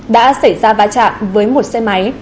đã xảy ra va chạm với một xe máy